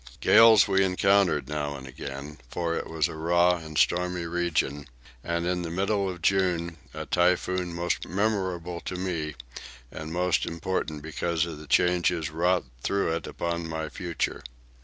Gales we encountered now and again, for it was a raw and stormy region, and, in the middle of June, a typhoon most memorable to me and most important because of the changes wrought through it upon my future.